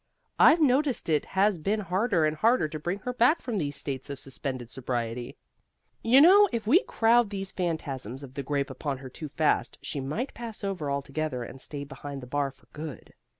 I've noticed it has been harder and harder to bring her back from these states of suspended sobriety. You know, if we crowd these phantasms of the grape upon her too fast, she might pass over altogether, and stay behind the bar for good.